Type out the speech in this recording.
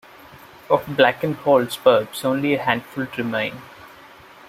Of Blakenhall's pubs, only a handful remain.